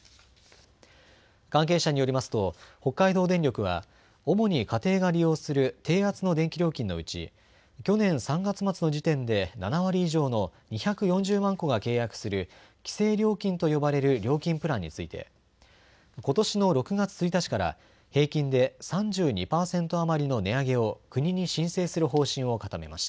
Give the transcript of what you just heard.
関係者によりますと北海道電力は主に家庭が利用する低圧の電気料金のうち去年３月末の時点で７割以上の２４０万戸が契約する規制料金と呼ばれる料金プランについてことしの６月１日から平均で３２％余りの値上げを国に申請する方針を固めました。